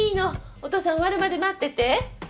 お父さん終わるまで待ってて。